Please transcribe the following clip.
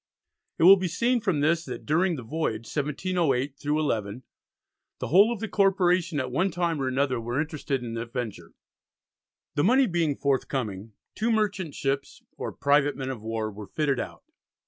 It will be seen from this that during the voyage (1708 11) the whole of the Corporation at one time or another were interested in the venture. The money being forthcoming, two merchant ships, or "private Men of War" were fitted out.